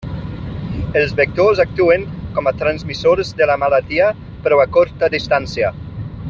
Els vectors actuen com a transmissors de la malaltia però a curta distància.